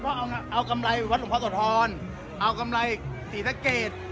เพราะเอากำไรวัดหลวงพ่อโสธรเอากำไรศรีสะเกด